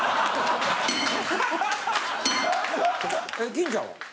金ちゃんは？